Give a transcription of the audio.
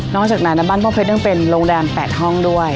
จากนั้นบ้านพ่อเพชรยังเป็นโรงแรม๘ห้องด้วย